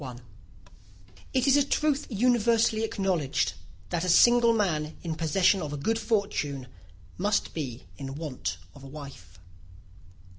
] It is a truth universally acknowledged, that a single man in possession of a good fortune must be in want of a wife.